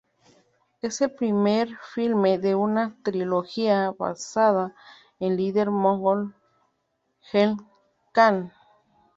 Es el primer filme de una trilogía basada en el líder mongol Genghis Khan.